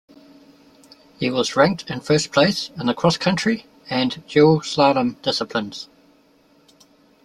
He was ranked in first place in the Cross-country and Dual Slalom disciplines.